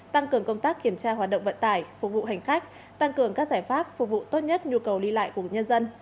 tăng cường công tác kiểm tra hoạt động vận tải phục vụ hành khách tăng cường các giải pháp phục vụ tốt nhất nhu cầu đi lại của nhân dân